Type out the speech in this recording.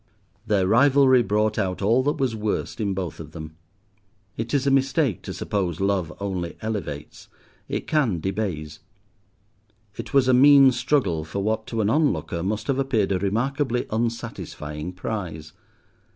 Their rivalry brought out all that was worst in both of them. It is a mistake to suppose love only elevates; it can debase. It was a mean struggle for what to an onlooker must have appeared a remarkably unsatisfying prize.